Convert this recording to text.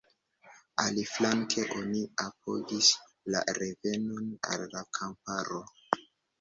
Aliflanke oni apogis “la revenon al la kamparo”.